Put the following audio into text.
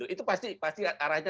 itu pasti arahnya